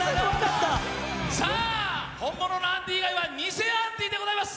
さあ、本物のアンディー以外は偽アンディーでございます。